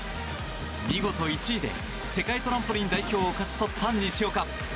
見事、１位で世界トランポリン代表を勝ち取った西岡。